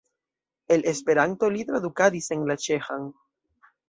El Esperanto li tradukadis en la ĉeĥan.